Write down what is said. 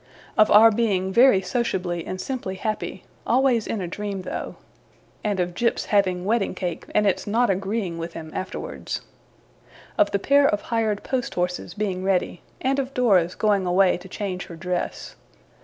Of our being very sociably and simply happy (always in a dream though); and of Jip's having wedding cake, and its not agreeing with him afterwards. Of the pair of hired post horses being ready, and of Dora's going away to change her dress.